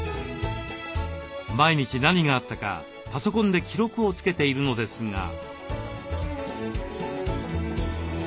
毎日何があったかパソコンで記録をつけているのですが。